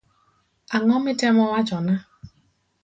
Ang'o mitemo wachona.